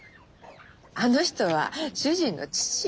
あの人は主人の父よ。